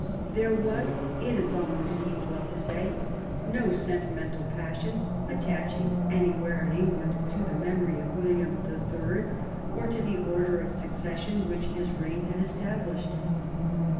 There was, it is almost needless to say, no senti mental passion attaching anywhere in England to the memory of William the Third or to the order of suc cession which his reign had established.